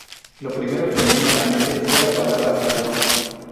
Lo primero que me vino a la mente fue la palabra sádico.